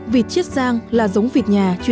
vịt chiết giang là giống vịt nhà chuyên cho trứng